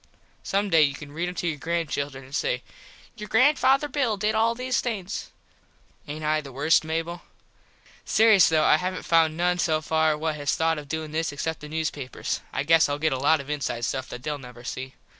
Some day you can read em to your granchildren an say "Your Granfather Bill did all these things." Aint I the worst, Mable? Serious though I havnt found noone so far what has thought of doin this except the newspapers. I guess Ill get a lot of inside stuff that theyll never see.